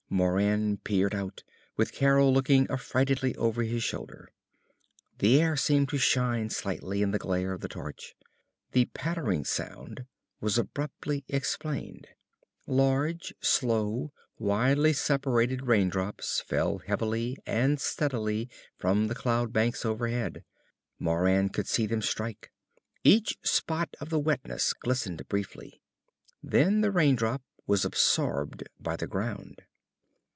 Moran peered out, with Carol looking affrightedly over his shoulder. The air seemed to shine slightly in the glare of the torch. The pattering sound was abruptly explained. Large, slow, widely separated raindrops fell heavily and steadily from the cloud banks overhead. Moran could see them strike. Each spot of wetness glistened briefly. Then the rain drop was absorbed by the ground.